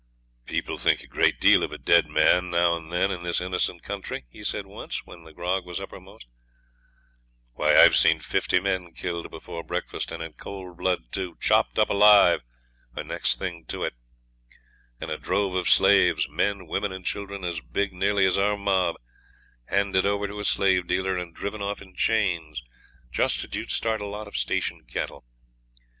'People think a great deal of a dead man now and then in this innocent country,' he said once when the grog was uppermost; 'why, I've seen fifty men killed before breakfast, and in cold blood, too, chopped up alive, or next thing to it; and a drove of slaves men, women, and children as big nearly as our mob, handed over to a slave dealer, and driven off in chains just as you'd start a lot of station cattle.